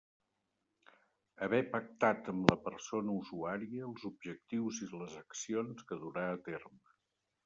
Haver pactat amb la persona usuària els objectius i les accions que durà a terme.